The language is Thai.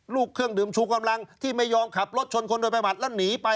เครื่องดื่มชูกำลังที่ไม่ยอมขับรถชนคนโดยประมาทแล้วหนีไป